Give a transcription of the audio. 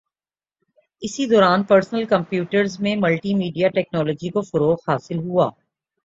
اسی دوران personal computers میں ملٹی میڈیا ٹیکنولوجی کو فروغ حاصل ہوا